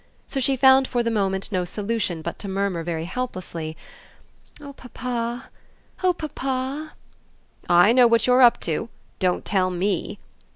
So she found for the moment no solution but to murmur very helplessly: "Oh papa oh papa!" "I know what you're up to don't tell ME!"